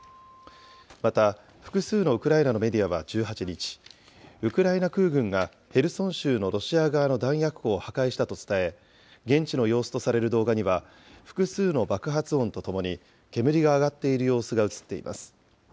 また、複数のウクライナのメディアは１８日、ウクライナ空軍がヘルソン州のロシア側の弾薬庫を破壊したと伝え、現地の様子とされる動画には、複数の爆発音とともに、煙が上がっている様子が写っています。